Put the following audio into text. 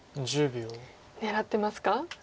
狙ってますか？